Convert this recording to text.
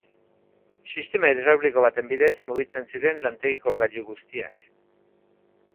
Sistema hidrauliko baten bidez mugitzen ziren lantegiko gailu guztiak.